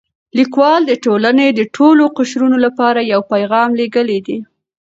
لیکوال د ټولنې د ټولو قشرونو لپاره یو پیغام لېږلی دی.